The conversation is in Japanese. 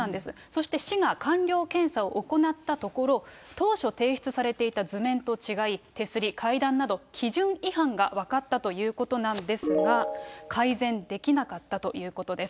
そして市が完了検査を行ったところ、当初提出されていた図面と違い、手すり、階段など、基準違反が分かったということなんですが、改善できなかったということです。